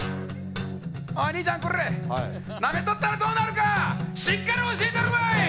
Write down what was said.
おい兄ちゃんコレッなめとったらどうなるかしっかり教えてやるわい！